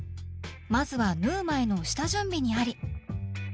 まずは縫う前の下準備にあり！